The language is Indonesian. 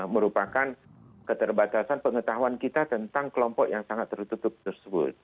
merupakan keterbatasan pengetahuan kita tentang kelompok yang sangat tertutup tersebut